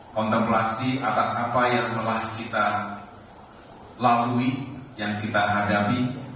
kontemplasi atas apa yang telah kita lalui yang kita hadapi